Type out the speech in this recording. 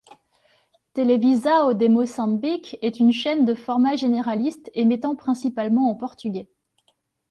Televisão de Moçambique est une chaîne de format généraliste émettant principalement en portugais.